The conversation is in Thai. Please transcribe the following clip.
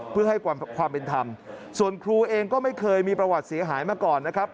เพื่อให้ความเป็นธรรมส่วนครูเองก็ไม่เคยมีประวัติเสียหายมาก่อนนะครับ